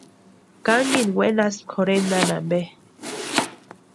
¿Kankini wenaspki jorhentani ampe?